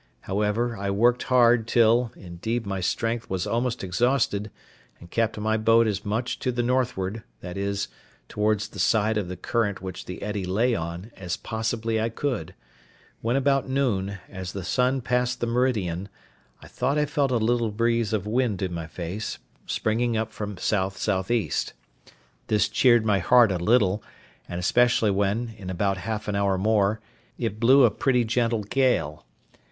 However, I worked hard till, indeed, my strength was almost exhausted, and kept my boat as much to the northward, that is, towards the side of the current which the eddy lay on, as possibly I could; when about noon, as the sun passed the meridian, I thought I felt a little breeze of wind in my face, springing up from SSE. This cheered my heart a little, and especially when, in about half an hour more, it blew a pretty gentle gale.